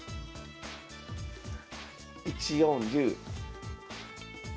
１四竜。